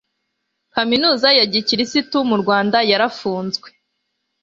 kaminuza ya gikristo mu rwanda yarafunzwe